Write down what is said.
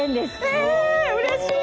えうれしい！